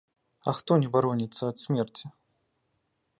А хто не бароніцца ад смерці?!